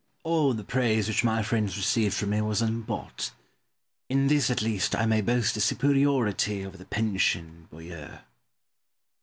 Pope. All the praise which my friends received from me was unbought. In this, at least, I may boast a superiority over the pensioned Boileau.